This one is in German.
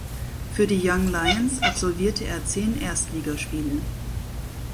Für die Young Lions absolvierte er zehn Erstligaspiele.